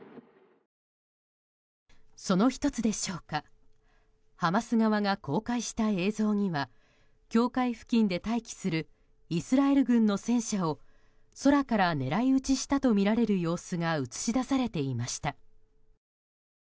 その１つでしょうかハマス側が公開した映像には境界付近で待機するイスラエル軍の戦車を空から狙い撃ちしたとみられる様子が映し出されていました。